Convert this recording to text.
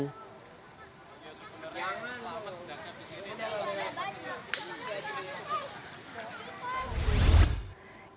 ibu kota dalam beberapa waktu terakhir terus dikepung banjir namun genangan air dan banjir itu pun ikut melanda wilayah penyangga ibu kota seperti bekasi dan tangerang